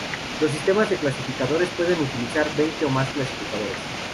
Los sistemas de clasificadores pueden utilizar veinte o más clasificadores.